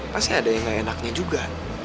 pasti ada yang gak enaknya juga